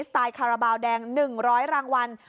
ไตล์คาราบาลแดง๑๐๐รางวัล